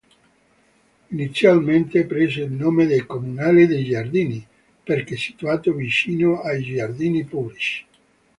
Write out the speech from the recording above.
Inizialmente prese il nome di "Comunale dei Giardini" perché situato vicino ai giardini pubblici.